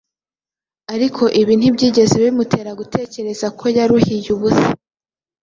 Ariko ibi ntibyigeze bimutera gutekereza ko yaruhiye ubusa.